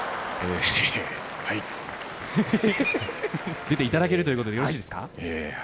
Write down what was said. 出ていただけるということでよろしいですか？